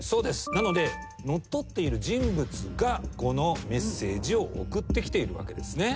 なので乗っ取っている人物がこのメッセージを送ってきているわけですね。